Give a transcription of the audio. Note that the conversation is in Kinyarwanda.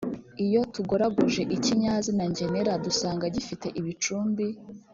iyo tugoragoje ikinyazina ngenera dusanga gifite ibicumbi